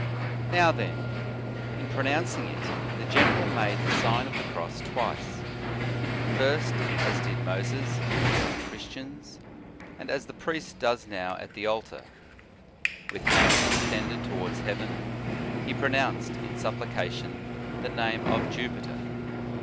Now then, in pronouncing it, the general made the Sign of the Cross twice; first as did Moses and the early Christians, and as the priest does now at the altar. With hands extended towards heaven, he pronounced in supplication the name of Jupiter.